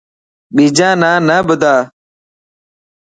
ٻيجا نا نه ٻڌا.